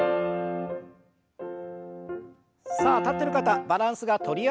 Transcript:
さあ立ってる方バランスがとりやすい形。